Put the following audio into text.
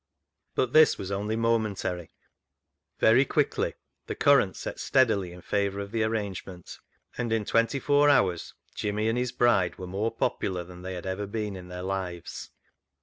But this was only momentary ; very quickly the current set steadily in favour of the arrangement, and in twenty four hours Jimmy and his bride were more popular than they had ever been in their lives.